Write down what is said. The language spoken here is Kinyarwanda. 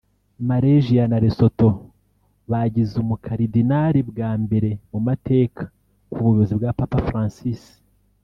Malaysia na Lesotho bagize umukaridinali bwa mbere mu mateka ku buyobozi bwa Papa Francis